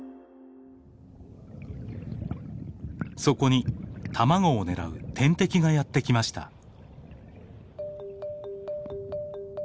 そこに卵を狙う天敵がやって来ました。